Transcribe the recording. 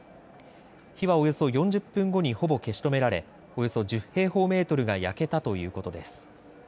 火はおよそ４０分後にほぼ消し止められおよそ１０平方メートルが焼けたということです。